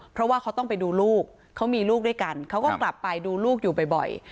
เพราะว่าเขาต้องไปดูลูกเขามีลูกด้วยกันเขาก็กลับไปดูลูกอยู่บ่อย